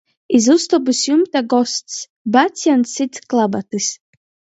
Iz ustobys jumta gosts! Bacjans syt klabatys.